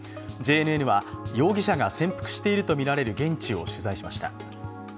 ＪＮＮは容疑者が潜伏しているとみられる現地を取材しました。